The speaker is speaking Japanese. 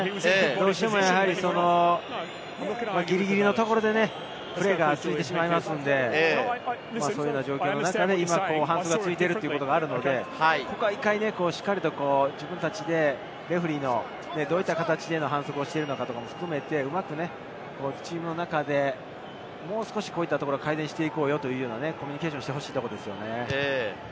どうしてもやはりギリギリのところでプレーが続いてしまいますので、そういった状況の中で、反則が続いているので、一回しっかりと自分たちで、レフェリーのどういった形で反則をしているのかを含めて、チームの中でもう少し、改善していこうよというコミュニケーションをしてほしいですね。